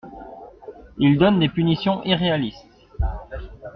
Ils donnent des punitions irréalistes.